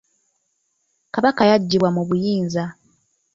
Kabaka yaggibwa mu buyinza.